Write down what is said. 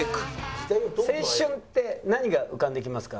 「青春って何が浮かんできますか？